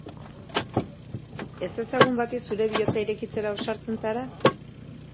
Ezezagun bati zure bihotza irekitzera ausartzen zara?